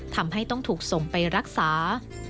ทำให้ต้องถูกส่งไปรักษา